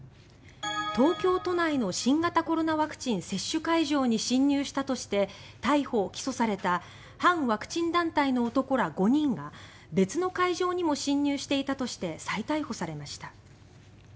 東京都内の新型コロナワクチン接種会場に侵入したとして逮捕・起訴された反ワクチン団体の男ら５人が別の会場にも侵入していたとして再逮捕されました。